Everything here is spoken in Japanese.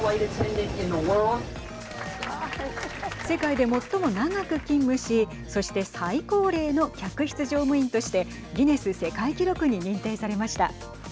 世界で最も長く勤務しそして最高齢の客室乗務員としてギネス世界記録に認定されました。